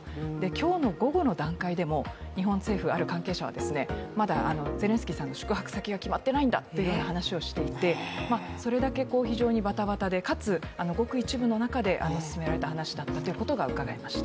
今日の午後の段階でも、日本政府のある関係者はまだゼレンスキーさんの宿泊先が決まっていないんだという話もしていてそれだけ非常にバタバタで、かつごく一部の中で進められた話だったということがうかがえました。